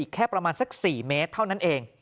แค่ประมาณสัก๔เมตรเท่านั้นเอง